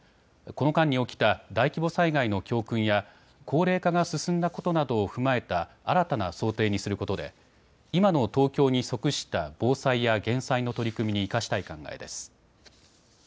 この間に起きた大規模災害の教訓や高齢化が進んだことなどを踏まえた新たな想定にすることで今の東京に即した防災や減災の取り組みに生かしたい考えです。